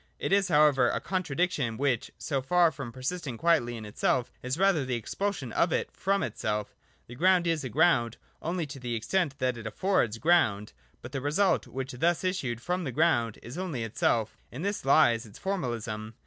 It is however a contra diction which, so far from persisting quietly in itself, is rather the expulsion of it from itself The ground is a ground only to the extent that it affords ground : but the result which thus issued from the ground is only itself In this Ues its formalism.